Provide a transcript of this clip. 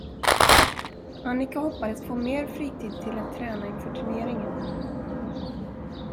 Annika hoppades få mer fritid till att träna inför turneringen.